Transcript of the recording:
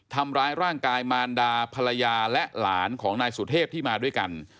ทำร้ายร่างกายมารดาภรรยาและหลานของนายสุเทพที่มาด้วยกัน